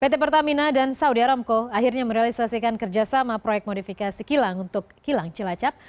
pt pertamina dan saudi aramco akhirnya merealisasikan kerjasama proyek modifikasi kilang untuk kilang cilacap